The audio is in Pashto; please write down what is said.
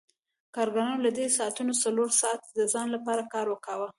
کارګرانو له دې ساعتونو څلور ساعته د ځان لپاره کار کاوه